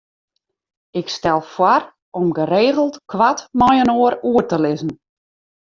Ik stel foar om geregeld koart mei-inoar oer te lizzen.